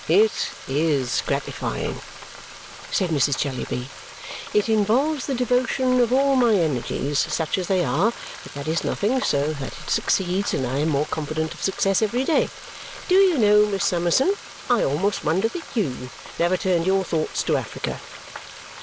"It IS gratifying," said Mrs. Jellyby. "It involves the devotion of all my energies, such as they are; but that is nothing, so that it succeeds; and I am more confident of success every day. Do you know, Miss Summerson, I almost wonder that YOU never turned your thoughts to Africa."